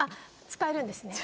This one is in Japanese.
使えるんですよね